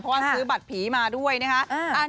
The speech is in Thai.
เพราะว่าซื้อบัตรผีมาด้วยนะคะ